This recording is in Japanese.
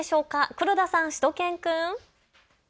黒田さん、しゅと犬くん。